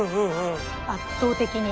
圧倒的に。